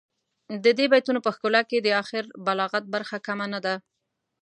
د دې بیتونو په ښکلا کې د اخر بلاغت برخه کمه نه ده.